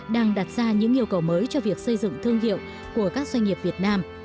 đang đặt ra những yêu cầu mới cho việc xây dựng thương hiệu của các doanh nghiệp việt nam